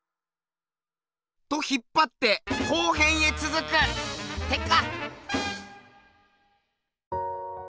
と引っぱって後編へつづくってか！